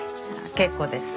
結構です。